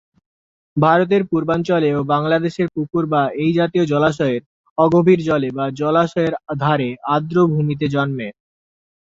ভারতের পূর্বাঞ্চলে ও বাংলাদেশের পুকুর বা এই জাতীয় জলাশয়ের অগভীর জলে বা জলাশয়ের ধারে আর্দ্র ভূমিতে জন্মে।